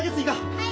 はい。